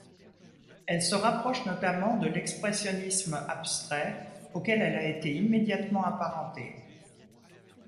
Elle se rapproche notamment de l’expressionnisme abstrait auquel elle a été immédiatement apparenté.